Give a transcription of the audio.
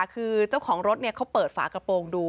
คือเจ้าของรถเขาเปิดฝากระโปรงดู